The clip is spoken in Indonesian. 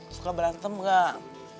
suka berantem gak